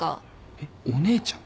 えっお姉ちゃん？